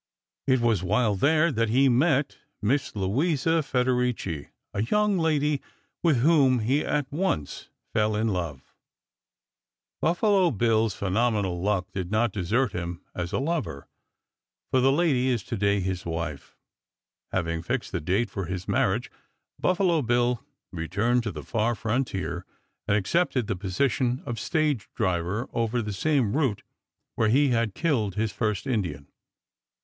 It was while there that he met Miss Louisa Frederici, a young lady with whom he at once fell in love. [Illustration: BRINGING BUFFALO MEAT INTO CAMP.] Buffalo Bill's phenomenal luck did not desert him as a lover, for the lady is to day his wife. Having fixed the date for his marriage Buffalo Bill returned to the far frontier and accepted the position of stage driver over the same route where he had killed his first Indian.